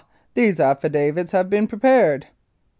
these affidavits have been prepared."